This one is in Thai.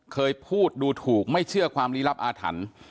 เคยพูดดูถูกไม่เชื่อความลี้ลับอาถรรพ์